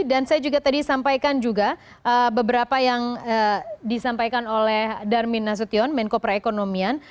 dan saya juga tadi sampaikan juga beberapa yang disampaikan oleh darmina sution menko perekonomian